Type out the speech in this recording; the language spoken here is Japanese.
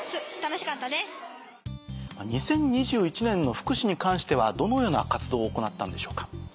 ２０２１年の福祉に関してはどのような活動を行ったんでしょうか？